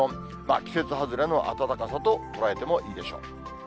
季節外れの暖かさと捉えてもいいでしょう。